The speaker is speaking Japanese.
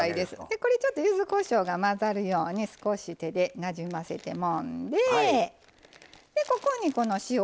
これちょっとゆずこしょうが混ざるように少し手でなじませてもんでここにこの塩しといたさわらを入れますよ。